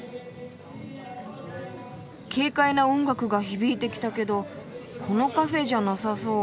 軽快な音楽が響いてきたけどこのカフェじゃなさそう。